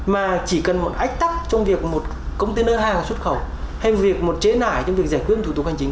mà chỉ cần một ách tắc trong việc một công ty nơi hàng xuất khẩu hay một trễ nải trong việc giải quyết một thủ tục hành chính